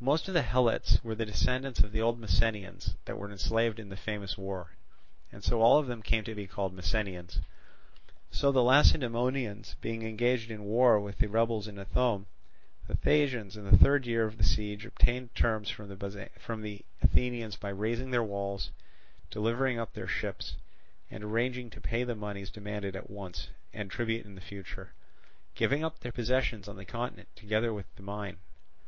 Most of the Helots were the descendants of the old Messenians that were enslaved in the famous war; and so all of them came to be called Messenians. So the Lacedaemonians being engaged in a war with the rebels in Ithome, the Thasians in the third year of the siege obtained terms from the Athenians by razing their walls, delivering up their ships, and arranging to pay the moneys demanded at once, and tribute in future; giving up their possessions on the continent together with the mine.